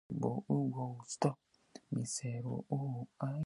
O wari a yiɗi ɓiɗɗo debbo masin.